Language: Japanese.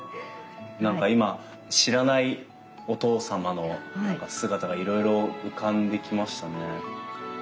何か今知らないお父様の姿がいろいろ浮かんできましたね。